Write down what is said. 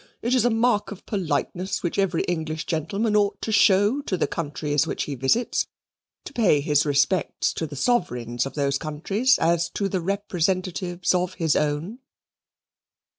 It is a mark of politeness which every English gentleman ought to show to the countries which he visits to pay his respects to the sovereigns of those countries as to the representatives of his own."